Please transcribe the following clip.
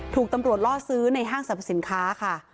ถูกตำรวจล่อซื้อในห้างสรรพสินค้าค่ะ